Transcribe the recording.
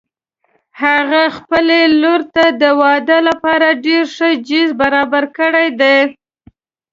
هغې خپلې لور ته د واده لپاره ډېر ښه جهیز برابر کړي دي